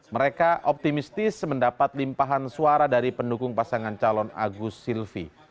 mereka optimistis mendapat limpahan suara dari pendukung pasangan calon agus silvi